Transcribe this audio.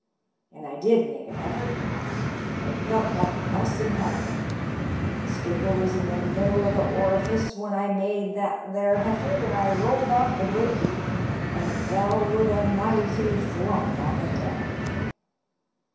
An' I did make a heffort. It felt like bustin' hup. The skipper was in th' middle o' th' Orfice when I made that there heffort, and I rolled off th' gratin', and fell with a mighty flump on the deck.